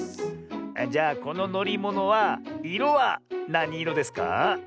あっじゃあこののりものはいろはなにいろですか？